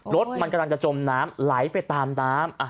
รถมันกำลังจะจมน้ำไหลไปตามน้ำ